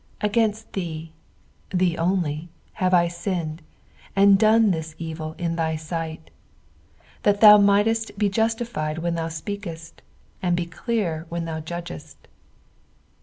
4 Against thee, thee only, have I sinned, and done //its evil in thy sight ; that thou mightest be justified when thou speakest, and be clear when thou judgest.